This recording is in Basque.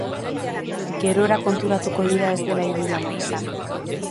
Gerora konturatuko dira ez dela ideia ona izan.